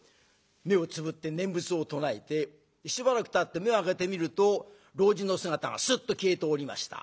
目をつぶって念仏を唱えてしばらくたって目を開けてみると老人の姿がすっと消えておりました。